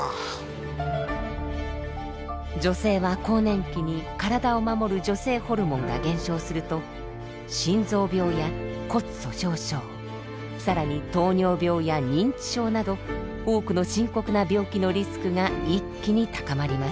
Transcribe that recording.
女性は更年期に体を守る女性ホルモンが減少すると心臓病や骨粗しょう症更に糖尿病や認知症など多くの深刻な病気のリスクが一気に高まります。